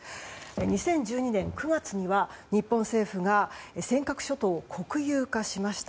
２０１２年９月には日本政府が尖閣諸島を国有化しました。